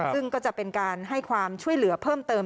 ซึ่งก็จะเป็นการให้ความช่วยเหลือเพิ่มเติม